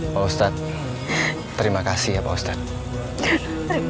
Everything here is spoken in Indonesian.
pak ustadz terima kasih ya pak ustadz